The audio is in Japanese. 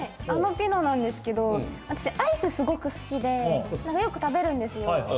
あのピノなんですけど私アイスすごく好きでよく食べるんですよ